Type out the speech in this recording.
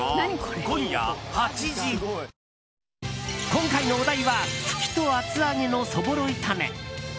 今回のお題はフキと厚揚げのそぼろ炒め。